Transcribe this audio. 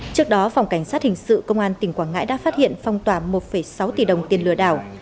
trước đó phòng cảnh sát hình sự công an tỉnh quảng ngãi đã phát hiện phong tỏa một sáu tỷ đồng tiền lừa đảo